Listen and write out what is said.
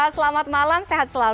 selamat malam sehat selalu